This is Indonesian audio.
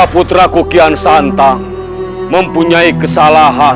jika putra kukian santang mempunyai kesalahan